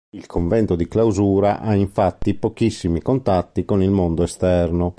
Il convento di clausura ha infatti pochissimi contatti con il mondo esterno.